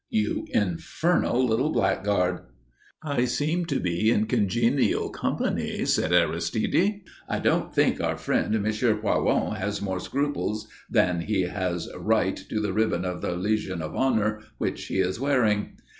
"You infernal little blackguard!" "I seem to be in congenial company," said Aristide. "I don't think our friend M. Poiron has more scruples than he has right to the ribbon of the Legion of Honour which he is wearing."